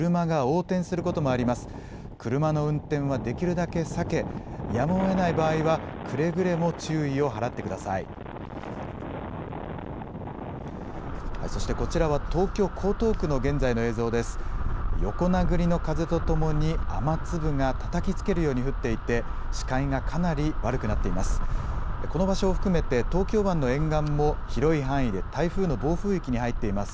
横殴りの風とともに雨粒がたたきつけるように降っていて、視界がかなり悪くなっています。